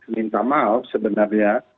minta maaf sebenarnya